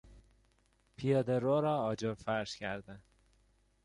پیادهرو را آجر فرش کردن